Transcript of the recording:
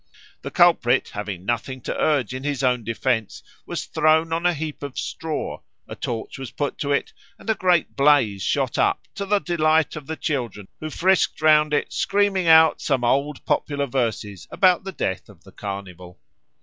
The culprit, having nothing to urge in his own defence, was thrown on a heap of straw, a torch was put to it, and a great blaze shot up, to the delight of the children who frisked round it screaming out some old popular verses about the death of the Carnival.